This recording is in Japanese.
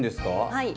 はい。